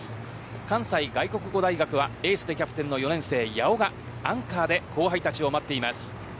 関西外国語大学はエースでキャプテンの４年生、矢尾がアンカーで後輩たちを待っています。